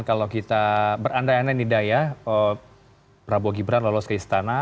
kalau kita berandainya nidaya prabowo gibran lolos ke istana